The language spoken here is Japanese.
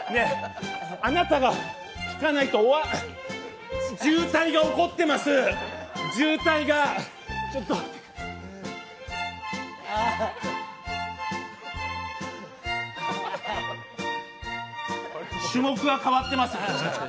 あなたが吹かないと終わ渋滞が起こってます、渋滞が種目が変わってます、社長。